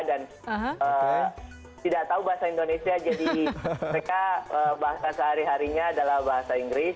dan tidak tahu bahasa indonesia jadi mereka bahasa sehari harinya adalah bahasa inggris